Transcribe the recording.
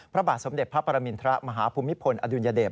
พระบาทสมเด็จพระปรมินทรมาฮภูมิพลอดุลยเดช